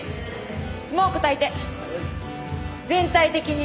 スモークたいて全体的にね。